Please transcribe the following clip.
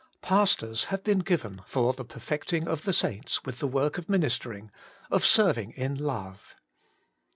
2. Pastors have been given for the perfecting of the saints with the work of ministering, of serving in love.